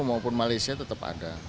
maupun malaysia tetap ada